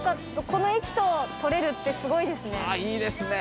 この駅と撮れるってスゴイですね。